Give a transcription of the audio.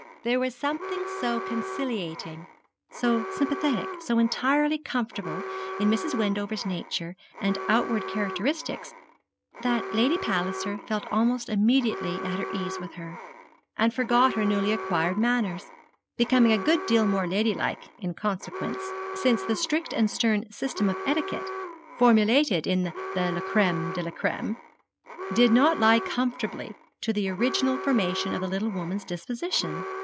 There was something so conciliating, so sympathetic, so entirely comfortable in Mrs. Wendover's nature and outward characteristics, that Lady Palliser felt almost immediately at her ease with her, and forgot her newly acquired manners, becoming a good deal more ladylike in consequence; since the strict and stern system of etiquette, formulated in the 'Crême de la Crême,' did not lie conformably to the original formation of the little woman's disposition.